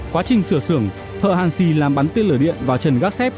quá trình sửa sưởng thợ hàn xì làm bắn tiên lửa điện vào trần gác xép